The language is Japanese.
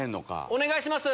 お願いします。